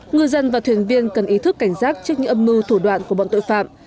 ngư dân và thuyền viên cần ý thức cảnh giác trước những âm mưu thủ đoạn của bọn tội phạm